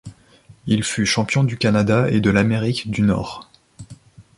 Il fut champion du Canada et de l'Amérique du Nord.